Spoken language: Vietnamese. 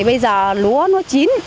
bây giờ lúa nó chín